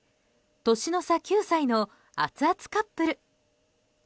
年の差９歳のアツアツカップル。